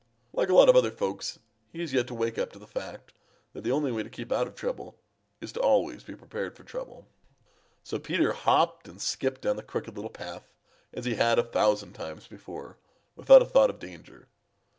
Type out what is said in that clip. Like a lot of other folks he has yet to wake up to the fact that the only way to keep out of trouble is to be always prepared for trouble. So Peter hopped and skipped down the Crooked Little Path, as he had a thousand times before, without a thought of danger.